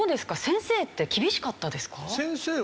先生って厳しかったですか？